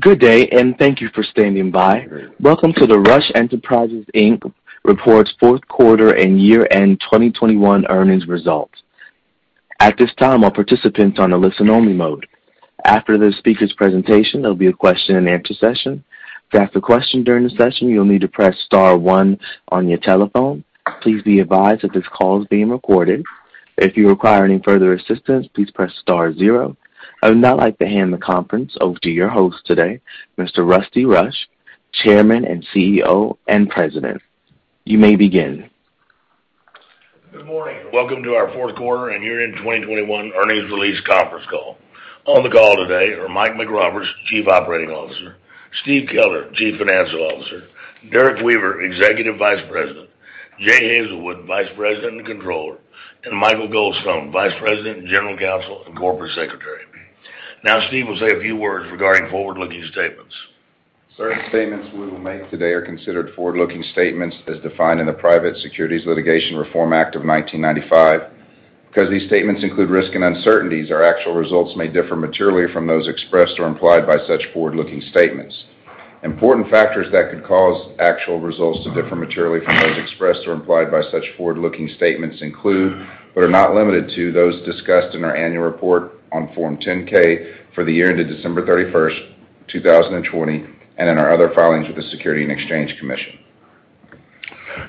Good day, and thank you for standing by. Welcome to the Rush Enterprises, Inc. reports fourth quarter and year-end 2021 earnings results. At this time, all participants are on a listen-only mode. After the speaker's presentation, there'll be a question-and-answer session. To ask a question during the session, you'll need to press star one on your telephone. Please be advised that this call is being recorded. If you require any further assistance, please press star zero. I would now like to hand the conference over to your host today, Mr. Rusty Rush, Chairman and CEO and President. You may begin. Good morning. Welcome to our fourth quarter and year-end 2021 earnings release conference call. On the call today are Mike McRoberts, Chief Operating Officer, Steve Keller, Chief Financial Officer, Derrek Weaver, Executive Vice President, Jay Hazelwood, Vice President and Controller, and Michael Goldstone, Vice President, General Counsel, and Corporate Secretary. Now Steve will say a few words regarding forward-looking statements. Certain statements we will make today are considered forward-looking statements as defined in the Private Securities Litigation Reform Act of 1995. Because these statements include risk and uncertainties, our actual results may differ materially from those expressed or implied by such forward-looking statements. Important factors that could cause actual results to differ materially from those expressed or implied by such forward-looking statements include, but are not limited to, those discussed in our annual report on Form 10-K for the year ended December 31st, 2020, and in our other filings with the Securities and Exchange Commission.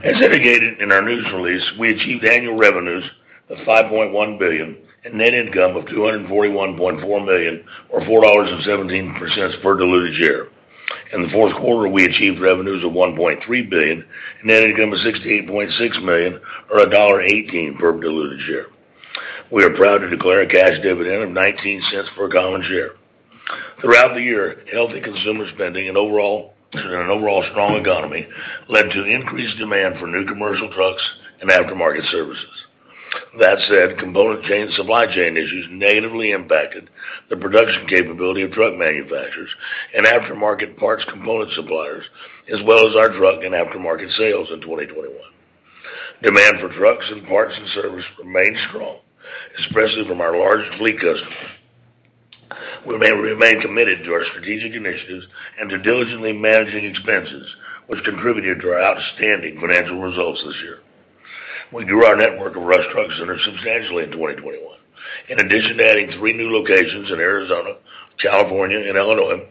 As indicated in our news release, we achieved annual revenues of $5.1 billion and net income of $241.4 million or $4.17 per diluted share. In the fourth quarter, we achieved revenues of $1.3 billion, net income of $68.6 million or $1.18 per diluted share. We are proud to declare a cash dividend of $0.19 per common share. Throughout the year, healthy consumer spending and an overall strong economy led to an increased demand for new commercial trucks and aftermarket services. That said, supply chain issues negatively impacted the production capability of truck manufacturers and aftermarket parts component suppliers, as well as our truck and aftermarket sales in 2021. Demand for trucks and parts and service remained strong, especially from our large fleet customers. We remain committed to our strategic initiatives and to diligently managing expenses, which contributed to our outstanding financial results this year. We grew our network of Rush Truck Centers substantially in 2021. In addition to adding three new locations in Arizona, California, and Illinois,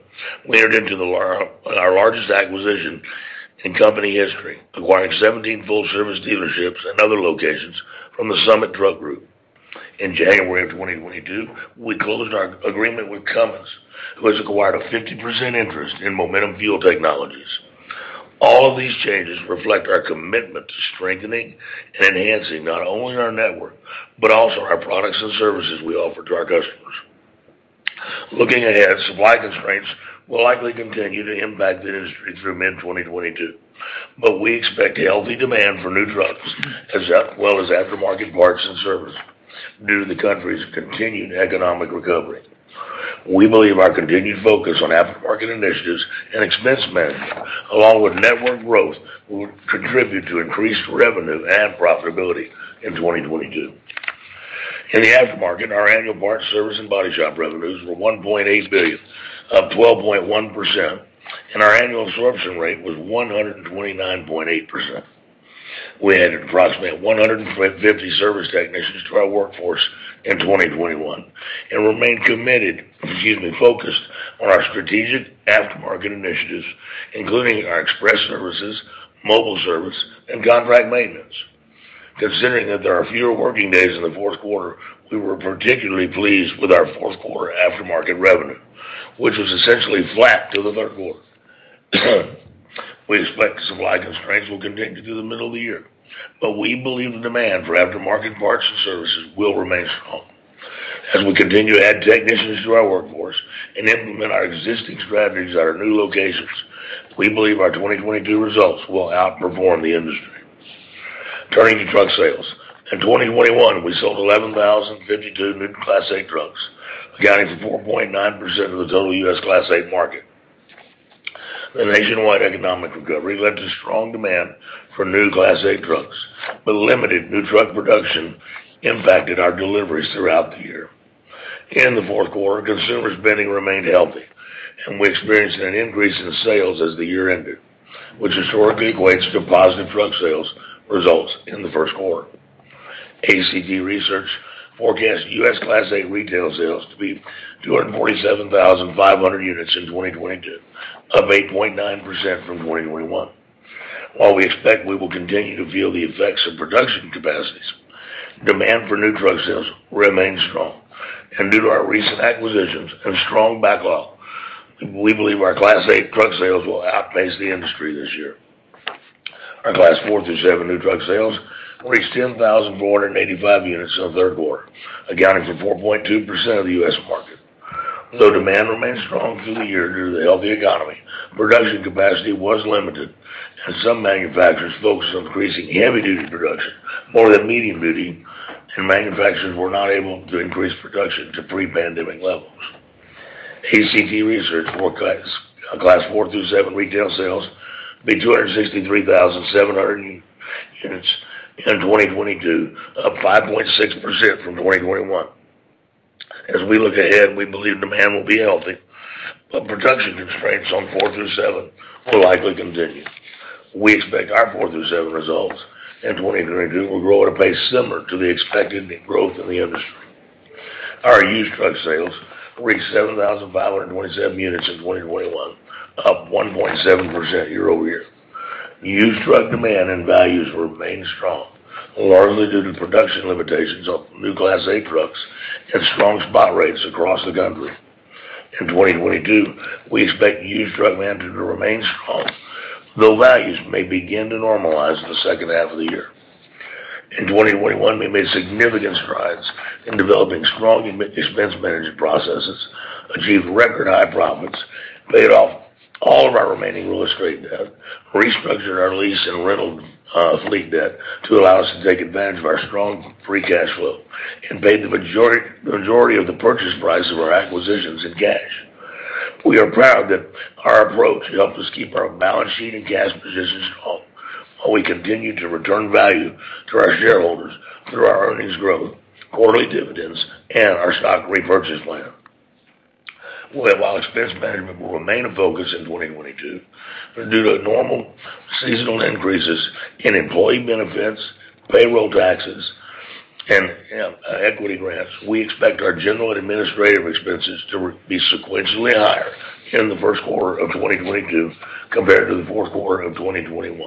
we entered into our largest acquisition in company history, acquiring 17 full service dealerships and other locations from The Summit Truck Group. In January of 2022, we closed our agreement with Cummins, who has acquired a 50% interest in Momentum Fuel Technologies. All of these changes reflect our commitment to strengthening and enhancing not only our network, but also our products and services we offer to our customers. Looking ahead, supply constraints will likely continue to impact the industry through mid-2022, but we expect healthy demand for new trucks as well as aftermarket parts and service due to the country's continued economic recovery. We believe our continued focus on aftermarket initiatives and expense management, along with network growth, will contribute to increased revenue and profitability in 2022. In the aftermarket, our annual parts service and body shop revenues were $1.8 billion, up 12.1%, and our annual absorption rate was 129.8%. We added approximately 150 service technicians to our workforce in 2021 and remain committed, excuse me, focused on our strategic aftermarket initiatives, including our express services, mobile service and contract maintenance. Considering that there are fewer working days in the fourth quarter, we were particularly pleased with our fourth quarter aftermarket revenue, which was essentially flat to the third quarter. We expect supply constraints will continue through the middle of the year, but we believe the demand for aftermarket parts and services will remain strong. As we continue to add technicians to our workforce and implement our existing strategies at our new locations, we believe our 2022 results will outperform the industry. Turning to truck sales. In 2021, we sold 11,052 new Class 8 trucks, accounting for 4.9% of the total U.S. Class 8 market. The nationwide economic recovery led to strong demand for new Class 8 trucks, but limited new truck production impacted our deliveries throughout the year. In the fourth quarter, consumer spending remained healthy, and we experienced an increase in sales as the year ended, which historically equates to positive truck sales results in the first quarter. ACT Research forecasts U.S. Class 8 retail sales to be 247,500 units in 2022, up 8.9% from 2021. While we expect we will continue to feel the effects of production capacities, demand for new truck sales remains strong. Due to our recent acquisitions and strong backlog, we believe our Class 8 truck sales will outpace the industry this year. Our Class 4-7 new truck sales reached 10,485 units in the third quarter, accounting for 4.2% of the U.S. market. Though demand remained strong through the year due to the healthy economy, production capacity was limited as some manufacturers focused on increasing heavy-duty production more than medium-duty, and manufacturers were not able to increase production to pre-pandemic levels. ACT Research forecast Class 4-7 retail sales to be 263,700 in 2022, up 5.6% from 2021. As we look ahead, we believe demand will be healthy, but production constraints on Class 4-7 will likely continue. We expect our Class 4-7 results in 2022 will grow at a pace similar to the expected growth in the industry. Our used truck sales reached 7,527 units in 2021, up 1.7% year-over-year. Used truck demand and values remain strong, largely due to production limitations of new Class 8 trucks and strong spot rates across the country. In 2022, we expect used truck demand to remain strong, though values may begin to normalize in the second half of the year. In 2021, we made significant strides in developing strong expense management processes, achieved record high profits, paid off all of our remaining real estate debt, restructured our lease and rental fleet debt to allow us to take advantage of our strong free cash flow, and paid the majority of the purchase price of our acquisitions in cash. We are proud that our approach helped us keep our balance sheet and cash positions strong, while we continue to return value to our shareholders through our earnings growth, quarterly dividends, and our stock repurchase plan. Well, while expense management will remain a focus in 2022, but due to normal seasonal increases in employee benefits, payroll taxes, and equity grants, we expect our general and administrative expenses to be sequentially higher in the first quarter of 2022 compared to the fourth quarter of 2021.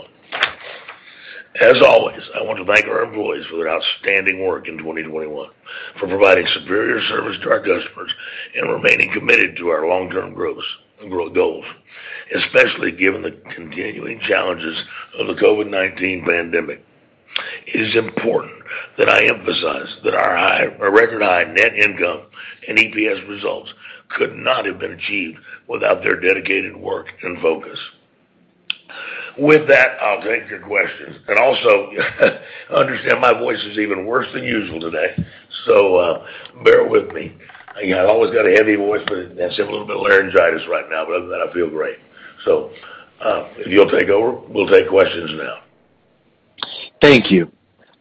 As always, I want to thank our employees for their outstanding work in 2021, for providing superior service to our customers, and remaining committed to our long-term growth goals, especially given the continuing challenges of the COVID-19 pandemic. It is important that I emphasize that our record high net income and EPS results could not have been achieved without their dedicated work and focus. With that, I'll take your questions. Also, understand my voice is even worse than usual today, so bear with me. I always got a heavy voice, but I have a little bit of laryngitis right now, but other than that, I feel great. If you'll take over, we'll take questions now. Thank you.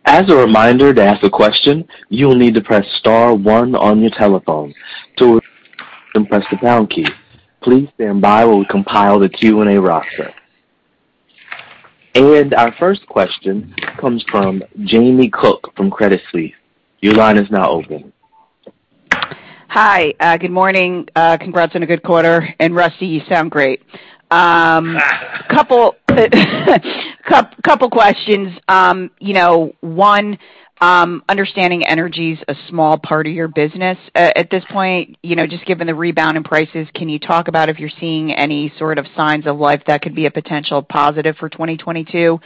As a reminder, to ask a question, you will need to press star one on your telephone. To press the pound key. Please stand by while we compile the Q&A roster. Our first question comes from Jamie Cook from Credit Suisse. Your line is now open. Hi. Good morning. Congrats on a good quarter. Rusty, you sound great. Couple questions. You know, one, understanding energy's a small part of your business. At this point, you know, just given the rebound in prices, can you talk about if you're seeing any sort of signs of life that could be a potential positive for 2022?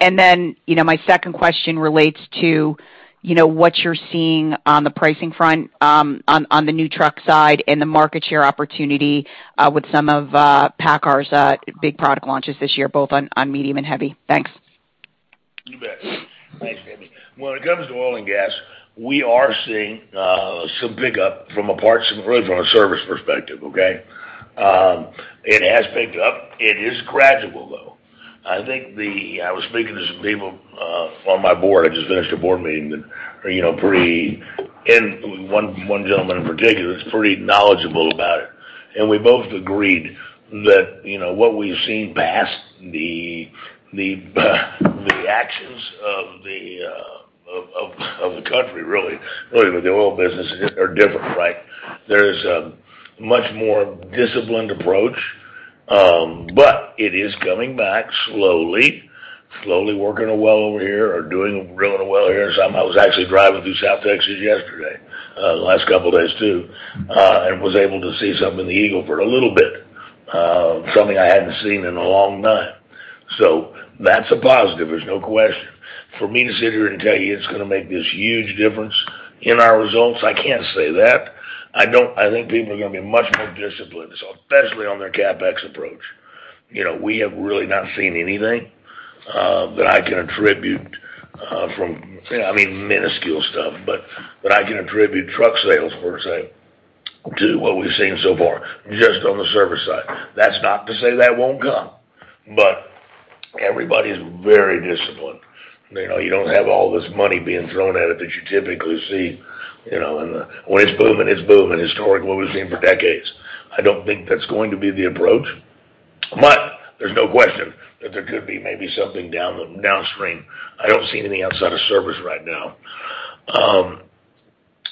Then, you know, my second question relates to, you know, what you're seeing on the pricing front, on the new truck side and the market share opportunity, with some of PACCAR's big product launches this year, both on medium and heavy. Thanks. You bet. Thanks, Jamie. When it comes to oil and gas, we are seeing some pickup from a parts and really from a service perspective, okay? It has picked up. It is gradual, though. I think I was speaking to some people on my board. I just finished a board meeting that are, you know, pretty. One gentleman in particular is pretty knowledgeable about it. We both agreed that, you know, what we've seen past the actions of the country, really with the oil business are different, right? There's a much more disciplined approach, but it is coming back slowly working a well over here or drilling a well here. I was actually driving through South Texas yesterday, the last couple of days, too, and was able to see something in the Eagle Ford a little bit, something I hadn't seen in a long time. That's a positive. There's no question. For me to sit here and tell you it's gonna make this huge difference in our results, I can't say that. I think people are gonna be much more disciplined, especially on their CapEx approach. You know, we have really not seen anything that I can attribute from, you know, I mean, minuscule stuff, but that I can attribute truck sales per se to what we've seen so far, just on the service side. That's not to say that won't come, but everybody is very disciplined. You know, you don't have all this money being thrown at it that you typically see, you know, in the boom. When it's booming, it's booming, historically, what we've seen for decades. I don't think that's going to be the approach. There's no question that there could be maybe something downstream. I don't see anything outside of service right now.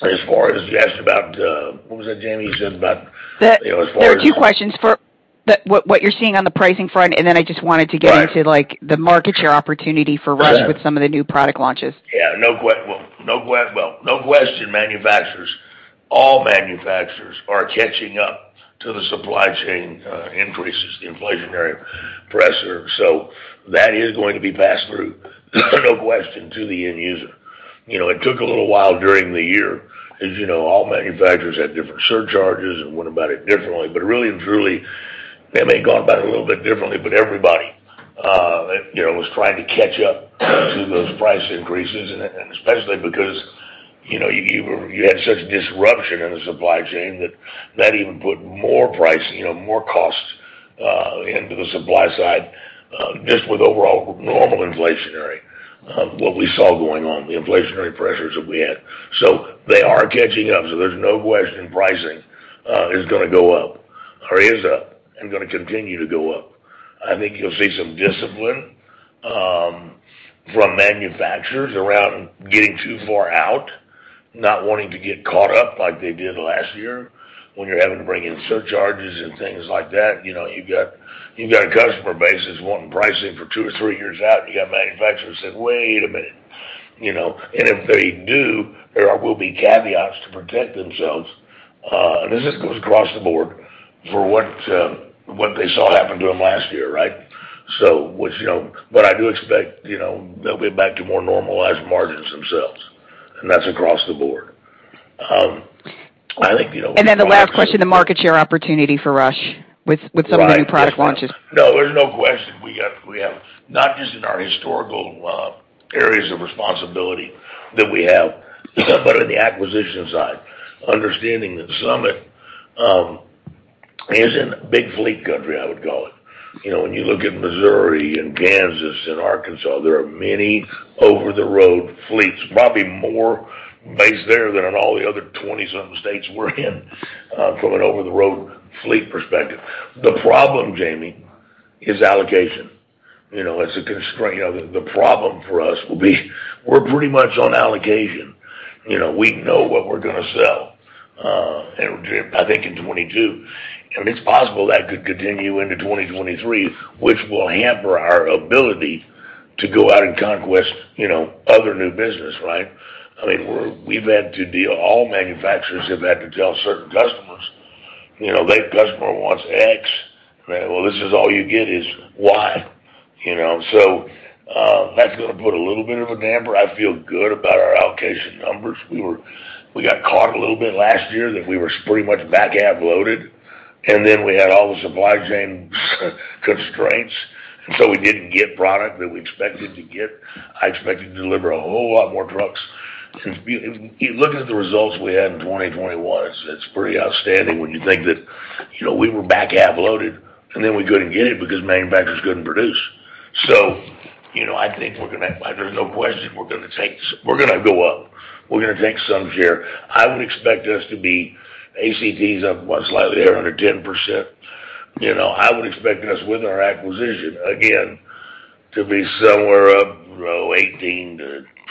As far as you asked about, what was that, Jamie? You said about, you know, as far as There are two questions. For what you're seeing on the pricing front, and then I just wanted to get into, like, the market share opportunity for Rush with some of the new product launches. No question manufacturers, all manufacturers are catching up to the supply chain increases, the inflationary pressure. That is going to be passed through, no question, to the end user. You know, it took a little while during the year. As you know, all manufacturers had different surcharges and went about it differently. Really and truly, they may have gone about it a little bit differently, but everybody, you know, was trying to catch up to those price increases, and especially because you know, you had such disruption in the supply chain that even put more price, you know, more costs, into the supply side, just with overall normal inflationary, what we saw going on, the inflationary pressures that we had. They are catching up, so there's no question pricing is gonna go up or is up and gonna continue to go up. I think you'll see some discipline from manufacturers around getting too far out, not wanting to get caught up like they did last year when you're having to bring in surcharges and things like that. You know, you got a customer base that's wanting pricing for two or three years out, and you got manufacturers saying, "Wait a minute," you know. If they do, there will be caveats to protect themselves. This just goes across the board for what they saw happen to them last year, right? I do expect, you know, they'll be back to more normalized margins themselves, and that's across the board. I think, you know The last question, the market share opportunity for Rush with some of the new product launches. No, there's no question. We have not just in our historical areas of responsibility that we have, but in the acquisition side, understanding that Summit is in big fleet country, I would call it. You know, when you look at Missouri and Kansas and Arkansas, there are many over-the-road fleets, probably more based there than in all the other 20-some states we're in, from an over-the-road fleet perspective. The problem, Jamie, is allocation. You know, it's a constraint. You know, the problem for us will be we're pretty much on allocation. You know, we know what we're gonna sell, and I think in 2022. It's possible that could continue into 2023, which will hamper our ability to go out and conquest, you know, other new business, right? I mean, we've had to deal... All manufacturers have had to tell certain customers, you know, that customer wants X. Well, this is all you get is Y, you know. That's gonna put a little bit of a damper. I feel good about our allocation numbers. We got caught a little bit last year that we were pretty much back half loaded, and then we had all the supply chain constraints, and so we didn't get product that we expected to get. I expected to deliver a whole lot more trucks. If you look at the results we had in 2021, it's pretty outstanding when you think that, you know, we were back half loaded, and then we couldn't get it because manufacturers couldn't produce. You know, I think we're gonna take some share. There's no question we're gonna go up. I would expect us to be ACT's up, what, slightly there, under 10%. You know, I would expect us with our acquisition, again, to be somewhere up, you know,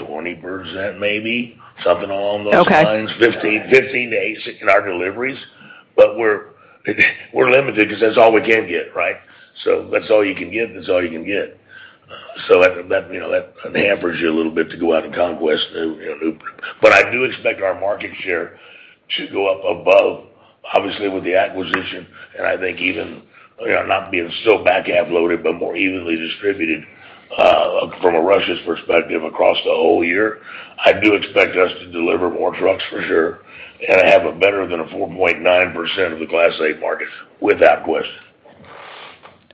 18%-20%, maybe, something along those lines. Okay. 15%-18% in our deliveries. We're limited 'cause that's all we can get, right? That's all you can get. That you know that hampers you a little bit to go out and conquest new. I do expect our market share to go up above, obviously, with the acquisition, and I think even you know not being so back half loaded, but more evenly distributed from Rush's perspective across the whole year. I do expect us to deliver more trucks for sure and have better than 4.9% of the Class 8 market without question.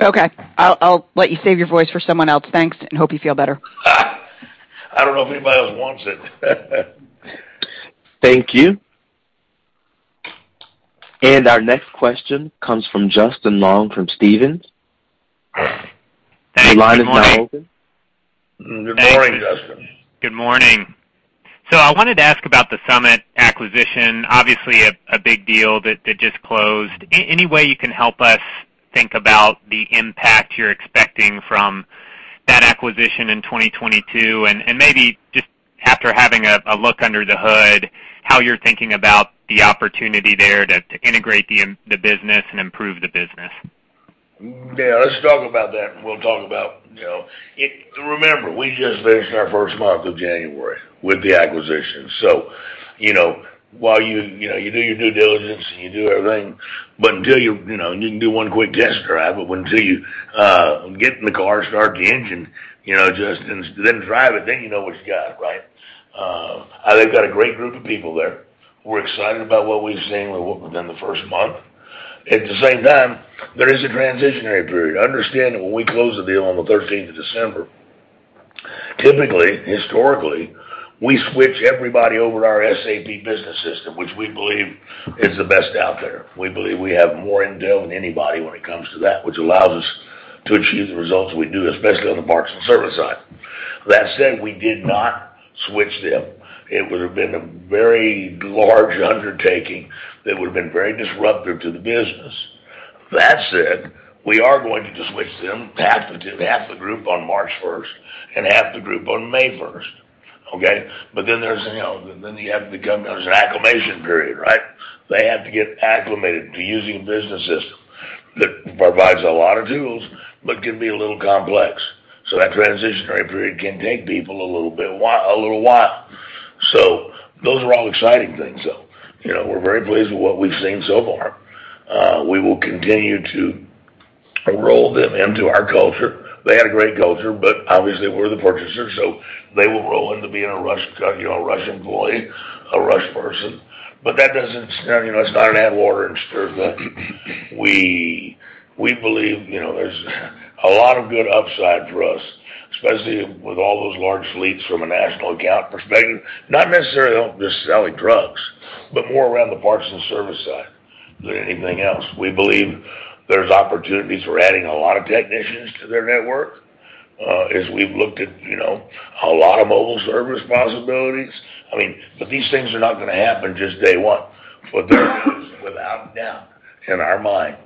Okay. I'll let you save your voice for someone else. Thanks, and hope you feel better. I don't know if anybody else wants it. Thank you. Our next question comes from Justin Long, from Stephens. Thanks. Good morning. Your line is now open. Good morning, Justin. Good morning. I wanted to ask about the Summit acquisition, obviously a big deal that just closed. Any way you can help us think about the impact you're expecting from that acquisition in 2022, and maybe just after having a look under the hood, how you're thinking about the opportunity there to integrate the business and improve the business. Yeah, let's talk about that. We'll talk about, you know. Remember, we just finished our first month of January with the acquisition. You know, while you know, you do your due diligence and you do everything, but until you know, you can do one quick test drive, but until you, get in the car, start the engine, you know, Justin, then drive it, then you know what you got, right? They've got a great group of people there. We're excited about what we've seen within the first month. At the same time, there is a transitional period. Understand that when we close the deal on the 13th of December, typically, historically, we switch everybody over to our SAP business system, which we believe is the best out there. We believe we have more in-depth than anybody when it comes to that, which allows us to achieve the results we do, especially on the parts and service side. That said, we did not switch them. It would have been a very large undertaking that would have been very disruptive to the business. That said, we are going to switch them, 1/2 the group on March 1st and 1/2 the group on May 1st, okay? There's, you know, an acclimation period, right? They have to get acclimated to using a business system that provides a lot of tools but can be a little complex. That transitional period can take people a little while. Those are all exciting things, though. You know, we're very pleased with what we've seen so far. We will continue to roll them into our culture. They had a great culture, but obviously we're the purchaser, so they will roll into being a Rush employee, a Rush person. That doesn't. You know, it's not an add water and stir. We believe, you know, there's a lot of good upside for us, especially with all those large fleets from a national account perspective. Not necessarily, they don't necessarily do trucks, but more around the parts and service side than anything else. We believe there's opportunities for adding a lot of technicians to their network, as we've looked at, you know, a lot of mobile service possibilities. I mean, these things are not gonna happen just day one. There is, without a doubt in our mind,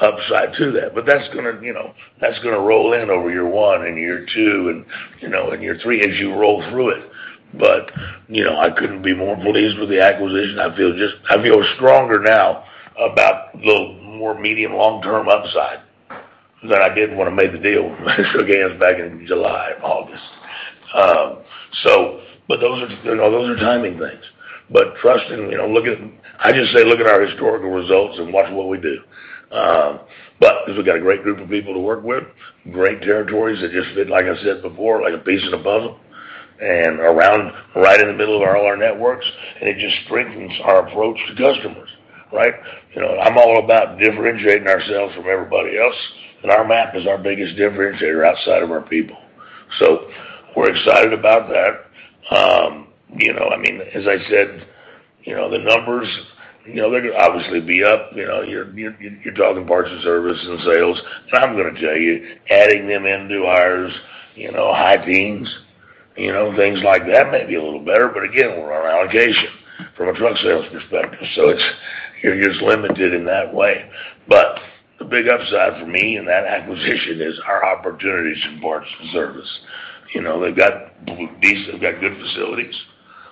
upside to that. That's gonna, you know, roll in over year one and year two and, you know, and year three as you roll through it. You know, I couldn't be more pleased with the acquisition. I feel stronger now about the more medium long-term upside than I did when I made the deal with Mr. Gantz back in July, August. But those are, you know, those are timing things. Trust and, you know, look at our historical results and watch what we do. 'Cause we've got a great group of people to work with, great territories that just fit, like I said before, like a piece of a puzzle and all around, right in the middle of all our networks, and it just strengthens our approach to customers, right? You know, I'm all about differentiating ourselves from everybody else, and our map is our biggest differentiator outside of our people. So we're excited about that. You know, I mean, as I said, you know, the numbers, you know, they're gonna obviously be up. You know, you're talking parts and service and sales. And I'm gonna tell you, adding them into ours, you know, high teens, you know, things like that may be a little better, but again, we're on allocation from a truck sales perspective, so it's, you're just limited in that way. But the big upside for me in that acquisition is our opportunities in parts and service. You know, they've got good facilities,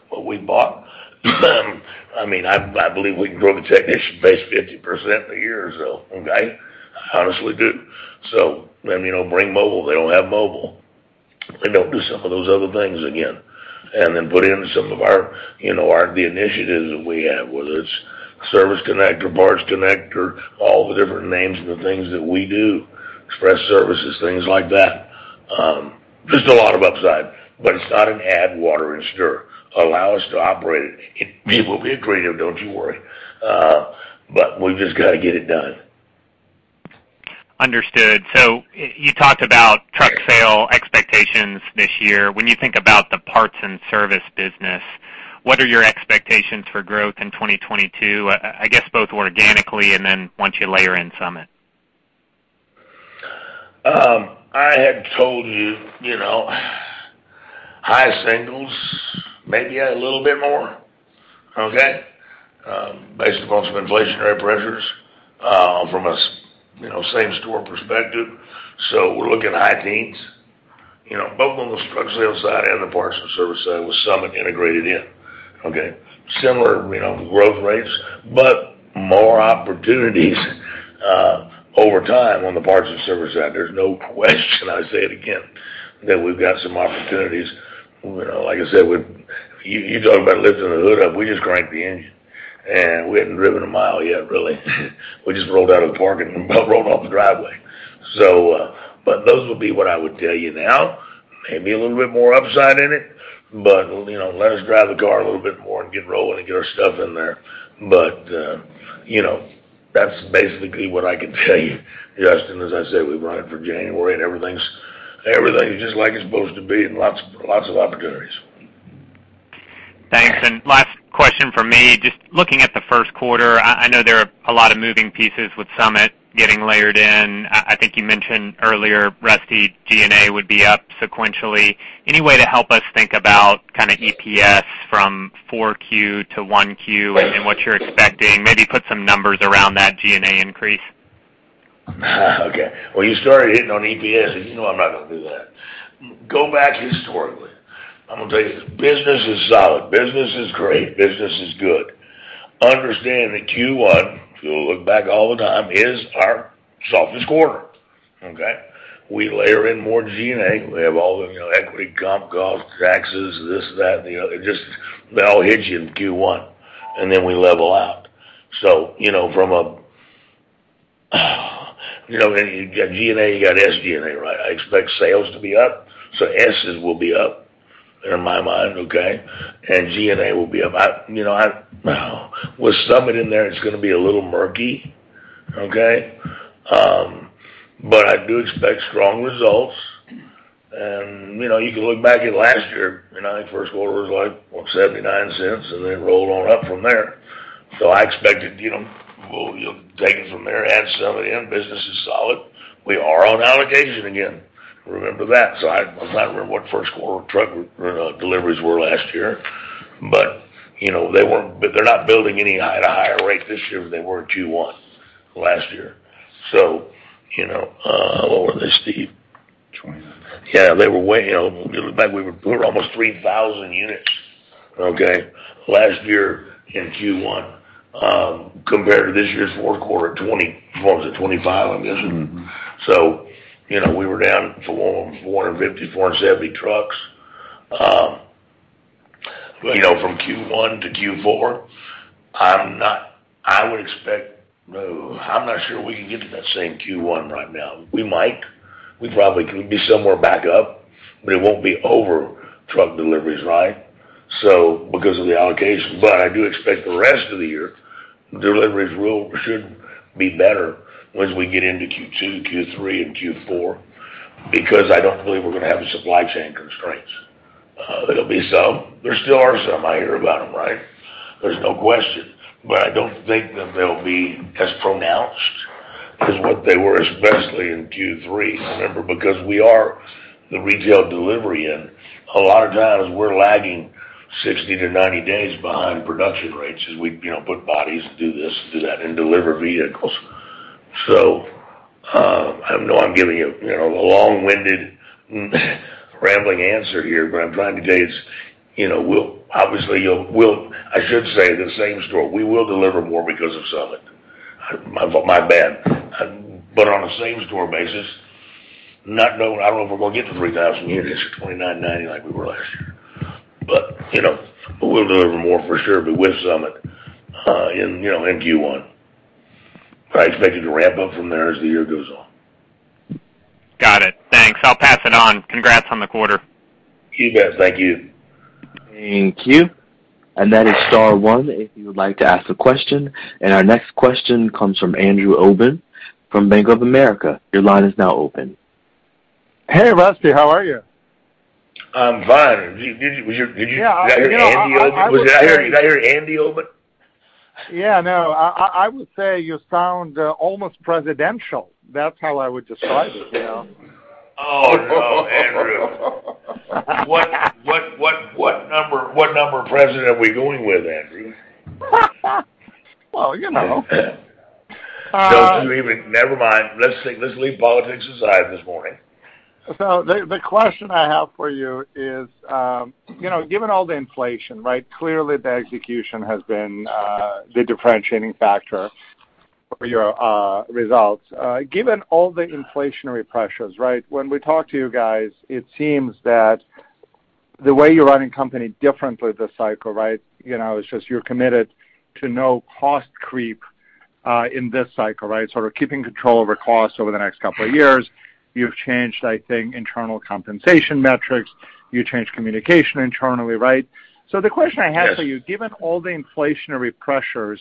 what we bought. I mean, I believe we can grow the technician base 50% a year or so. Okay? I honestly do. You know, bring mobile. They don't have mobile. They don't do some of those other things again. Put in some of our, you know, the initiatives that we have, whether it's RushCare Service Connect, RushCare Parts Connect, all the different names of the things that we do, express services, things like that. Just a lot of upside, but it's not an add water and stir. Allow us to operate it. We will be creative, don't you worry. We've just got to get it done. Understood. You talked about truck sale expectations this year. When you think about the parts and service business, what are your expectations for growth in 2022? I guess both organically and then once you layer in Summit. I had told you know, high single digits, maybe a little bit more, okay? Based upon some inflationary pressures from a same store perspective. We're looking high teens, you know, both on the truck sales side and the parts and service side with Summit integrated in, okay? Similar, you know, growth rates, but more opportunities over time on the parts and service side. There's no question, I say it again, that we've got some opportunities. You know, like I said, you talk about lifting the hood up, we just cranked the engine, and we hadn't driven a mile yet, really. We just rolled out of the parking, rolled off the driveway. But those will be what I would tell you now. Maybe a little bit more upside in it, but you know, let us drive the car a little bit more and get rolling and get our stuff in there. You know, that's basically what I can tell you, Justin. As I said, we run it for January, and everything's just like it's supposed to be and lots of opportunities. Thanks. Last question from me. Just looking at the first quarter, I know there are a lot of moving pieces with Summit getting layered in. I think you mentioned earlier, Rusty, G&A would be up sequentially. Any way to help us think about kinda EPS from 4Q to 1Q and what you're expecting? Maybe put some numbers around that G&A increase. Okay. Well, you started hitting on EPS, and you know I'm not gonna do that. Go back historically. I'm gonna tell you, business is solid, business is great, business is good. Understand that Q1, if you look back all the time, is our softest quarter. Okay. We layer in more G&A. We have all the, you know, equity, comp, cost, taxes, this, that, the other. Just they all hit you in Q1, and then we level out. You know, you know, when you got G&A, you got SG&A, right? I expect sales to be up, so S's will be up in my mind, okay? G&A will be up. I, you know... With Summit in there, it's gonna be a little murky, okay? But I do expect strong results. You know, you can look back at last year. You know, I think first quarter was like, what, $0.79, and then rolled on up from there. I expect it, you know, we'll, you know, take it from there, add Summit in. Business is solid. We are on allocation again. Remember that. I'm not sure what first quarter truck deliveries were last year, but, you know, they're not building at a higher rate this year than they were Q1 last year. You know, what were they, Steve? 29. Yeah, they were way back. You know, we were almost 3,000 units, okay, last year in Q1, compared to this year's fourth quarter at 25, I guess. Mm-hmm. You know, we were down 450-470 trucks. You know, from Q1 to Q4, I'm not sure we can get to that same Q1 right now. We might. We probably can be somewhere back up, but it won't be over truck deliveries, right? Because of the allocation. I do expect the rest of the year, deliveries should be better once we get into Q2, Q3, and Q4, because I don't believe we're going to have the supply chain constraints. There'll be some. There still are some. I hear about them, right? There's no question. I don't think that they'll be as pronounced as what they were, especially in Q3, remember, because we are the retail delivery, and a lot of times we're lagging 60-90 days behind production rates as we, you know, put bodies, do this, do that, and deliver vehicles. I know I'm giving you know, a long-winded, rambling answer here, but I'm trying to tell you, it's, you know, I should say the same store. We will deliver more because of Summit. My bad. On a same store basis, not knowing, I don't know if we're going to get to 3,000 units or 2,990 like we were last year. You know, we'll deliver more for sure, but with Summit, in, you know, in Q1. I expect it to ramp up from there as the year goes on. Got it. Thanks. I'll pass it on. Congrats on the quarter. You bet. Thank you. Thank you. That is star one if you would like to ask a question. Our next question comes from Andrew Obin from Bank of America. Your line is now open. Hey, Rusty, how are you? I'm fine. Did you... Yeah. You know, I would say. Did I hear Andy Obin? Yeah, no. I would say you sound almost presidential. That's how I would describe it, you know? Oh, no, Andrew. What number president are we going with, Andrew? Well, you know. Let's leave politics aside this morning. The question I have for you is, you know, given all the inflation, right? Clearly, the execution has been the differentiating factor for your results. Given all the inflationary pressures, right? When we talk to you guys, it seems that the way you're running the company differently this cycle, right? You know, it's just you're committed to no cost creep in this cycle, right? Sort of keeping control over costs over the next couple of years. You've changed, I think, internal compensation metrics. You changed communication internally, right? The question I have for you. Yes. Given all the inflationary pressures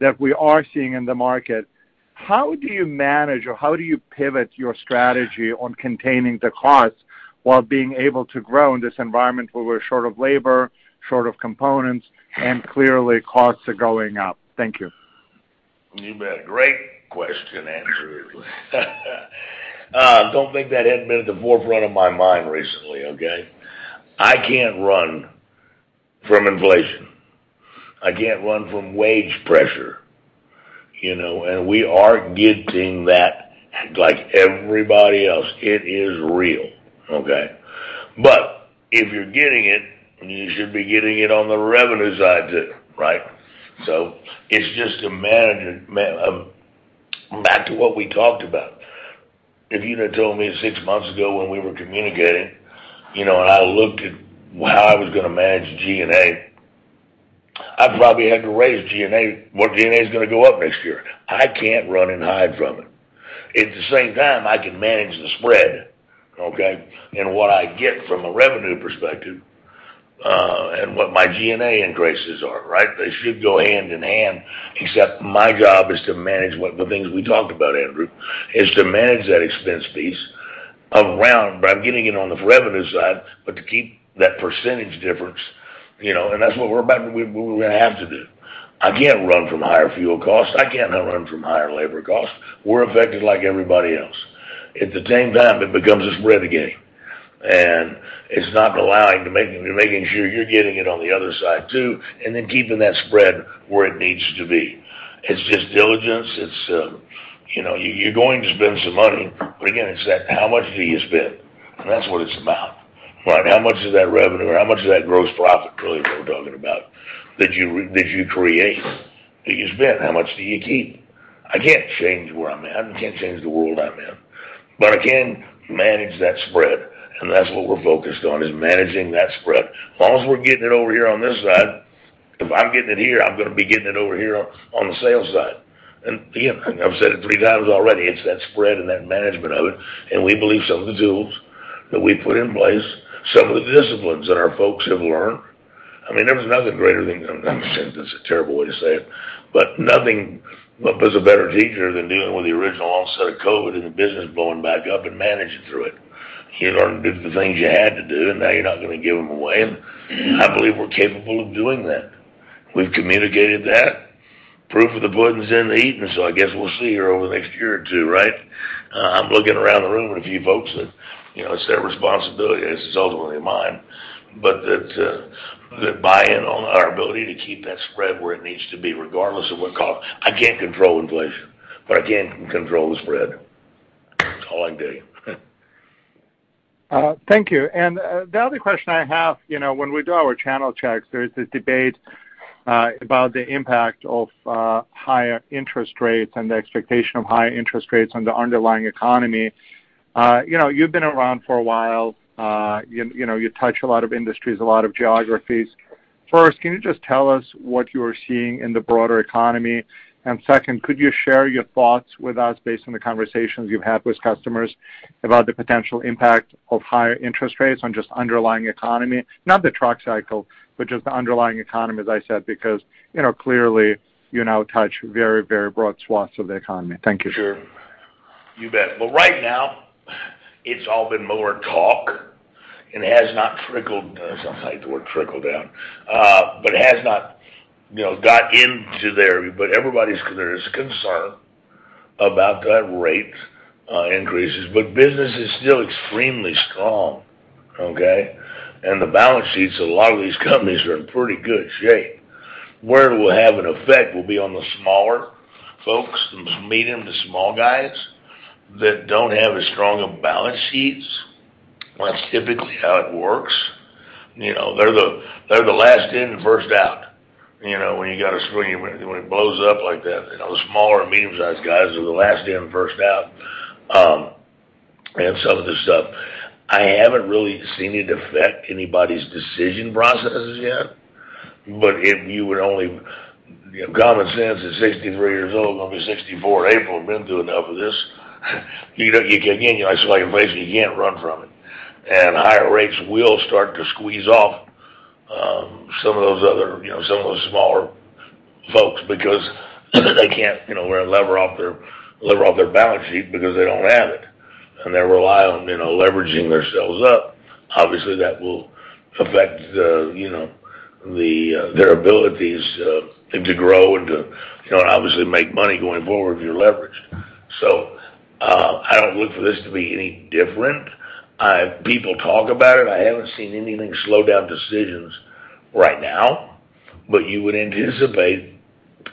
that we are seeing in the market, how do you manage or how do you pivot your strategy on containing the costs while being able to grow in this environment where we're short of labor, short of components, and clearly costs are going up? Thank you. You bet. Great question, Andrew. Don't think that hadn't been at the forefront of my mind recently, okay? I can't run from inflation. I can't run from wage pressure, you know, and we are getting that like everybody else. It is real, okay? If you're getting it, you should be getting it on the revenue side, too, right? It's just a management. Back to what we talked about. If you'd have told me six months ago when we were communicating, you know, and I looked at how I was gonna manage G&A, I probably had to raise G&A, more G&A is gonna go up next year. I can't run and hide from it. At the same time, I can manage the spread, okay? What I get from a revenue perspective and what my G&A increases are, right? They should go hand in hand, except my job is to manage the things we talked about, Andrew, to manage that expense piece around, but I'm getting it on the revenue side, but to keep that percentage difference, you know, and that's what we're about. We're gonna have to do. I can't run from higher fuel costs. I can't run from higher labor costs. We're affected like everybody else. At the same time, it becomes a spread game, and it's all about making sure you're getting it on the other side, too, and then keeping that spread where it needs to be. It's just diligence. It's, you know, you're going to spend some money, but again, it's about how much do you spend? That's what it's about, right? How much is that revenue or how much is that gross profit really what we're talking about that you create, that you spend? How much do you keep? I can't change where I'm at. I can't change the world I'm in, but I can manage that spread, and that's what we're focused on is managing that spread. As long as we're getting it over here on this side, if I'm getting it here, I'm gonna be getting it over here on the sales side. Again, I've said it 3x already, it's that spread and that management of it, and we believe some of the tools that we put in place, some of the disciplines that our folks have learned. I mean, there was nothing greater than. That's a terrible way to say it, but nothing was a better teacher than dealing with the original onset of COVID and the business blowing back up and managing through it. You learn to do the things you had to do, and now you're not gonna give them away. I believe we're capable of doing that. We've communicated that. Proof of the pudding is in the eating, so I guess we'll see here over the next year or two, right? I'm looking around the room at a few folks that, you know, it's their responsibility. It's ultimately mine. that buy-in on our ability to keep that spread where it needs to be, regardless of what cost. I can't control inflation, but I can control the spread. That's all I can tell you. Thank you. The other question I have, you know, when we do our channel checks, there's this debate about the impact of higher interest rates and the expectation of higher interest rates on the underlying economy. You've been around for a while. You know, you touch a lot of industries, a lot of geographies. First, can you just tell us what you are seeing in the broader economy? Second, could you share your thoughts with us based on the conversations you've had with customers about the potential impact of higher interest rates on just the underlying economy? Not the truck cycle, but just the underlying economy, as I said, because, you know, clearly, you now touch very, very broad swaths of the economy. Thank you. Sure. You bet. Well, right now, it's all been more talk, and it has not trickled. I don't like the word trickle down, but it has not, you know, got into there. But everybody's there is concern about that rate increases. But business is still extremely strong. Okay? And the balance sheets of a lot of these companies are in pretty good shape. Where it will have an effect will be on the smaller folks, the medium to small guys that don't have as strong of balance sheets. That's typically how it works. You know, they're the last in, first out, you know, when you got to swing, when it blows up like that, you know, the smaller medium-sized guys are the last in, first out, and some of this stuff. I haven't really seen it affect anybody's decision processes yet. Common sense at 63 years old, going to be 64 in April, been through enough of this. You know, you, again, you know, I just like, you can't run from it. Higher rates will start to squeeze off some of those other, you know, some of those smaller folks because they can't, you know, leverage off their balance sheet because they don't have it, and they rely on, you know, leveraging themselves up. Obviously, that will affect their abilities to grow and to, you know, obviously make money going forward if you're leveraged. I don't look for this to be any different. I have people talk about it. I haven't seen anything slow down decisions right now, but you would anticipate,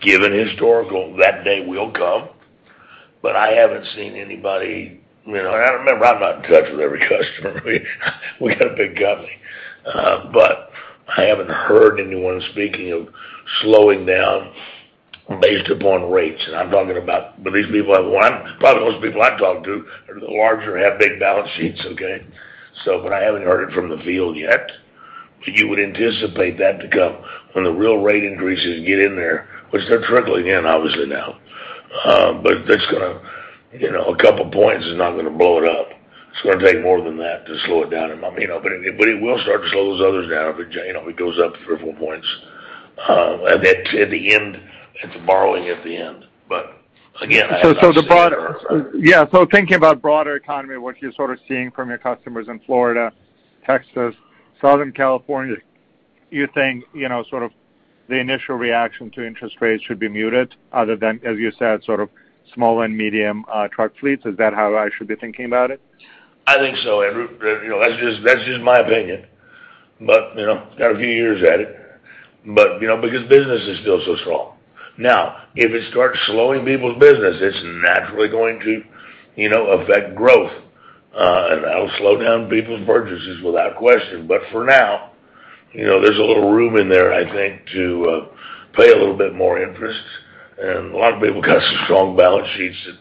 given historical, that day will come. I haven't seen anybody. You know, remember, I'm not in touch with every customer. We got a big company. I haven't heard anyone speaking of slowing down based upon rates. I'm talking about, but these people I want, probably most people I've talked to are the larger, have big balance sheets. Okay? I haven't heard it from the field yet. You would anticipate that to come when the real rate increases get in there, which they're trickling in obviously now. You know, a couple points is not gonna blow it up. It's gonna take more than that to slow it down. You know, but it will start to slow those others down if it, you know, it goes up three or four points, at the borrowing end. Again, I- Thinking about the broader economy, what you're sort of seeing from your customers in Florida, Texas, Southern California, you think, you know, sort of the initial reaction to interest rates should be muted other than, as you said, sort of small and medium truck fleets. Is that how I should be thinking about it? I think so, Andrew. You know, that's just my opinion, but you know, got a few years at it. You know, because business is still so strong. Now, if it starts slowing people's business, it's naturally going to you know, affect growth, and that'll slow down people's purchases without question. For now, you know, there's a little room in there, I think, to pay a little bit more interest. A lot of people got some strong balance sheets that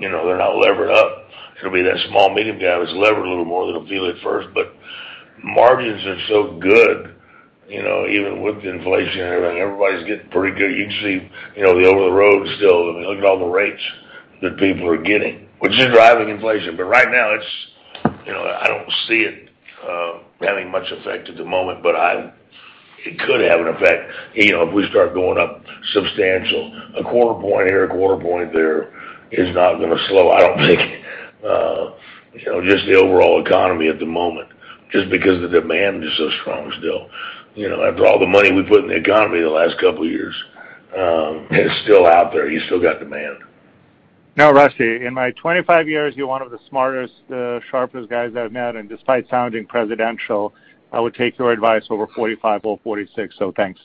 you know, they're not levered up. It'll be that small, medium guy who's levered a little more that'll feel it first. Margins are so good, you know, even with the inflation and everything, everybody's getting pretty good. You can see, you know, the over-the-road is still. Look at all the rates that people are getting, which is driving inflation. Right now it's, you know, I don't see it having much effect at the moment, but it could have an effect, you know, if we start going up substantial. A quarter point here, a quarter point there is not gonna slow, I don't think, you know, just the overall economy at the moment, just because the demand is so strong still. You know, after all the money we put in the economy the last couple of years, it's still out there. You still got demand. Now, Rusty, in my 25 years, you're one of the smartest, sharpest guys I've met. Despite sounding presidential, I would take your advice over 45 or 46, so thanks.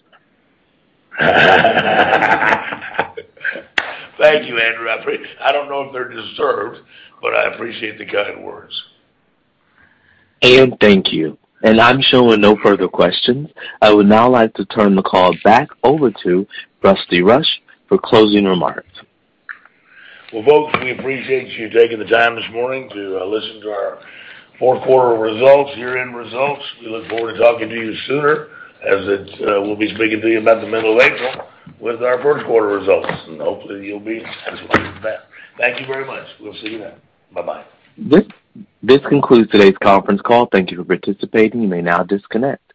Thank you, Andrew. I don't know if they're deserved, but I appreciate the kind words. Thank you. I'm showing no further questions. I would now like to turn the call back over to Rusty Rush for closing remarks. Well, folks, we appreciate you taking the time this morning to listen to our fourth quarter results, year-end results. We look forward to talking to you soon. We'll be speaking to you about the middle of April with our first quarter results, and hopefully you'll be back. Thank you very much. We'll see you then. Bye-bye. This concludes today's conference call. Thank you for participating. You may now disconnect.